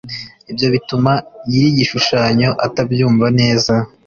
ibyo bituma nyir igishushanyo atabyumva neza